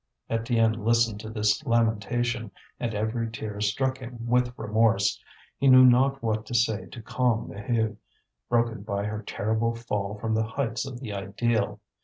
Étienne listened to this lamentation, and every tear struck him with remorse. He knew not what to say to calm Maheude, broken by her terrible fall from the heights of the ideal.